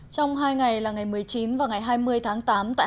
trong hai ngày là ngày một mươi chín và ngày hai mươi tháng tám tại hà nội